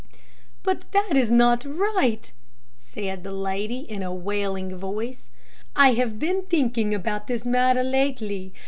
"But that is not right," said the lady in a wailing voice. "I have been thinking about this matter lately.